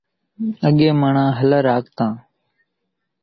اڳيَ ماڻۿان هلر هاڪتان۔